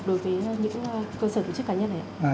đối với những cơ sở tổ chức cá nhân này ạ